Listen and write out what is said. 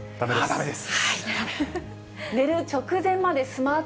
だめです。